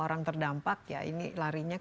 orang terdampak ya ini larinya